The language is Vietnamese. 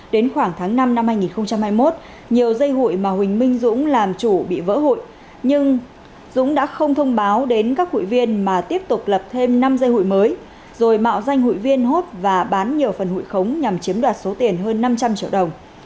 đến khoảng tháng năm năm hai nghìn hai mươi một nhiều dây hụi mà huỳnh minh dũng làm chủ bị vỡ hụi nhưng dũng đã không thông báo đến các hụi viên mà tiếp tục lập thêm năm dây hụi mới rồi mạo danh hụi viên hốt và bán nhiều phần hụi khống nhằm chiếm đoạt số tiền hơn năm trăm linh triệu đồng